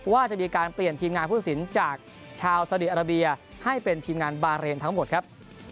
ว่าจะมีการเปลี่ยนทีมงานผู้ตัดสินจากชาวสดีอาราเบียให้เป็นทีมงานบาเรนทั้งหมดครับ